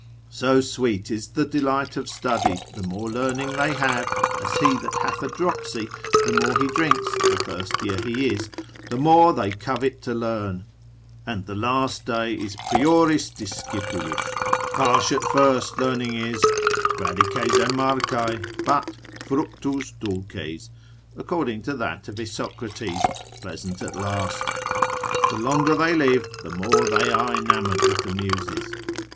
So sweet is the delight of study, the more learning they have (as he that hath a dropsy, the more he drinks the thirstier he is) the more they covet to learn, and the last day is prioris discipulus; harsh at first learning is, radices amarcae, but fractus dulces, according to that of Isocrates, pleasant at last; the longer they live, the more they are enamoured with the Muses.